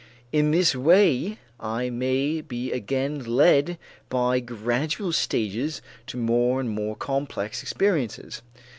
In this way I may be again led by gradual stages to more and more complex experiences.